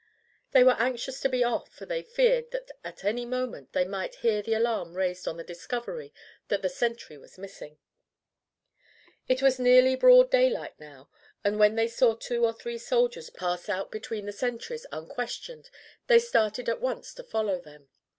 They were anxious to be off, for they feared that at any moment they might hear the alarm raised on the discovery that the sentry was missing. It was nearly broad daylight now, and when they saw two or three soldiers pass out between the sentries unquestioned they started at once to follow them.